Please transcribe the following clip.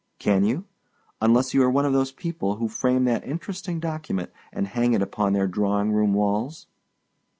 Can you—unless you are one of those people who frame that interesting document and hang it upon their drawing room walls?